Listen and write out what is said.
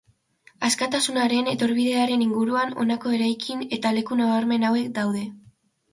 Askatasunaren etorbidearen inguruan honako eraikin eta leku nabarmen hauek daude.